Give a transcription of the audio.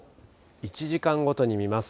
１時間ごとに見ます。